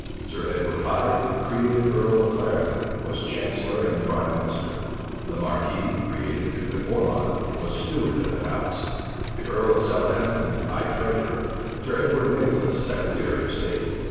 Sir Edward Hyde, created earl of Clarendon, was chancellor and prime minister; the marquis, created duke of Ormond, was steward of the household, the earl of Southampton, high treasurer; Sir Edward Nicholas, secretary of state.